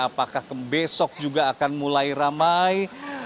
apakah besok juga akan mulai ramai